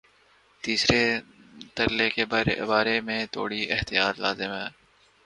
تیسرے ترلے کے بارے میں تھوڑی احتیاط لازم ہے۔